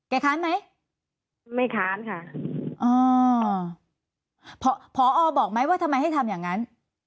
ค้านไหมไม่ค้านค่ะอ๋อพอพอบอกไหมว่าทำไมให้ทำอย่างนั้น